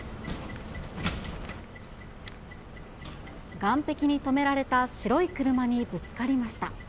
岸壁に止められた白い車にぶつかりました。